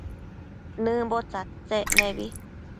Nëmbo tsadtsec nebi